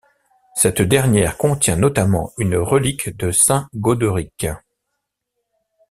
Cette dernière contient notamment une relique de saint Gaudérique.